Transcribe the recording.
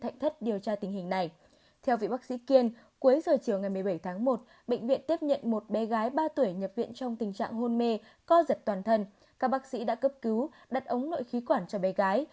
khi ba tuổi nhập viện trong tình trạng hôn mê co giật toàn thân các bác sĩ đã cấp cứu đặt ống nội khí quản cho bé gái